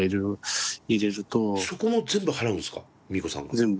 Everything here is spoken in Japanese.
全部。